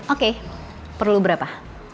oke perlu berapa